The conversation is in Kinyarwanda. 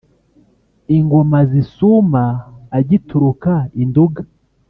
ingoma zisuma agituruka i nduga